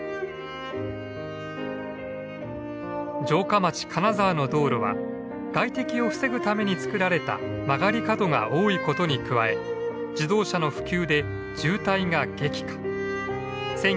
城下町金沢の道路は外敵を防ぐために作られた曲がり角が多いことに加え自動車の普及で渋滞が激化。